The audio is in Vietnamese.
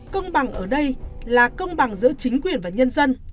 công bằng ở đây là công bằng giữa chính quyền và nhân dân